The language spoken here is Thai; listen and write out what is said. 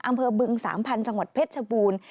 อำเภอบึงสามพันธุ์จังหวัดเพชรชบูรณ์